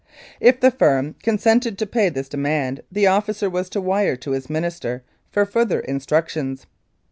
If the firm consented to pay this demand the officer was to wire to his Minister for further instructions.